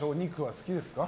好きですか？